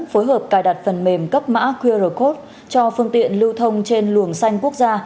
phối hợp cài đặt phần mềm cấp mã qr code cho phương tiện lưu thông trên luồng xanh quốc gia